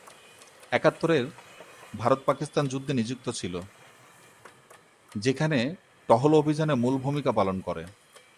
একাত্তরের ভারত-পাকিস্তান যুদ্ধে নিযুক্ত ছিল, যেখানে টহল অভিযানে মূল ভূমিকা পালন করে।